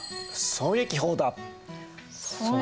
損益法だ。